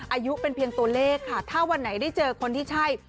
อายุเป็นเพียงตัวเลขค่ะถ้าวันไหนได้เจอคนที่ใช่